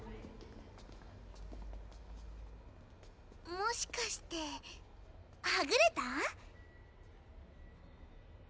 もしかしてはぐれた？